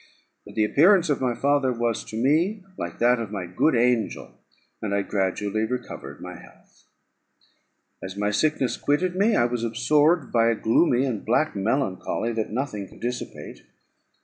But the appearance of my father was to me like that of my good angel, and I gradually recovered my health. As my sickness quitted me, I was absorbed by a gloomy and black melancholy, that nothing could dissipate.